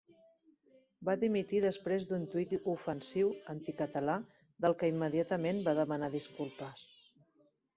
Va dimitir després d'un tuit ofensiu anticatalà, del que immediatament va demanar disculpes.